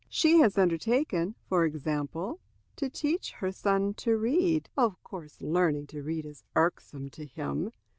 She has undertaken, for example, to teach her little son to read. Of course learning to read is irksome to him.